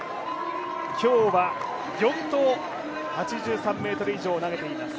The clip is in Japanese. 今日は４投、８３ｍ以上投げています。